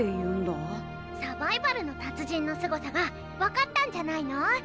サバイバルの達人のすごさが分かったんじゃないの？